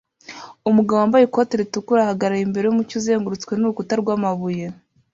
Umugabo wambaye ikote ritukura ahagarara imbere yumucyo uzengurutswe nurukuta rwamabuye